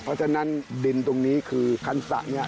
เพราะฉะนั้นดินตรงนี้คือคันสระเนี่ย